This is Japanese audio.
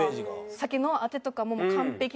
酒のあてとかも完璧な。